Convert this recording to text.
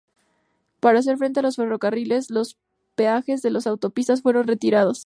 Para hacer frente a los ferrocarriles, los peajes de las autopistas fueron retirados.